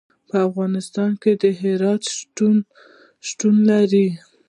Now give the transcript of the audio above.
په افغانستان کې هرات شتون لري.